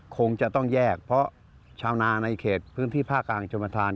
คงจะต้องแยกเพราะชาวนาในเขตพื้นที่ภาคกลางชมธาน